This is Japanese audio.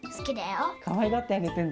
かわいがってあげてんだ。